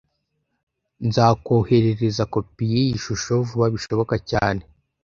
Nzakoherereza kopi yiyi shusho vuba bishoboka cyane